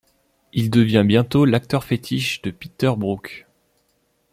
Il devient bientôt l'acteur-fétiche de Peter Brook.